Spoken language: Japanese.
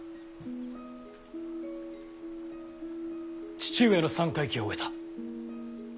父上の三回忌を終えた。